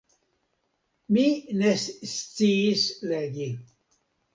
Mi ne sciis legi.